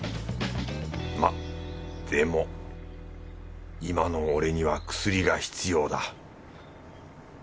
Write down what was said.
まっでも今の俺には薬が必要だ